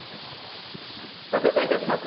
ご紹介いたします。